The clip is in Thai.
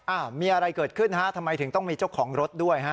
อ่ะมีอะไรเกิดขึ้นฮะทำไมถึงต้องมีเจ้าของรถด้วยฮะ